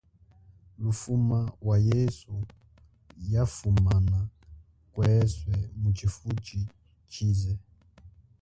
Lufuma wa yesu yafumana kweswe muchifuchichize.